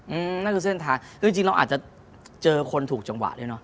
อืมนั่นคือเส้นทางคือจริงจริงเราอาจจะเจอคนถูกจังหวะด้วยเนอ